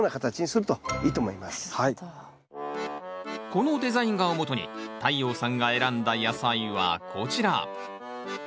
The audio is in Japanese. このデザイン画をもとに太陽さんが選んだ野菜はこちら。